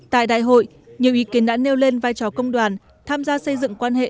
tại đại hội nhiều ý kiến đã nêu lên vai trò công đoàn tham gia xây dựng quan hệ